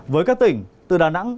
với các tỉnh từ đà nẵng